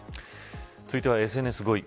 続いてはＳＮＳ５位。